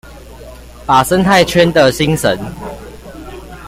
把生態圈的精神